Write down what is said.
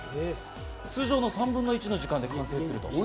通常の３分の１の時間で完成するんです。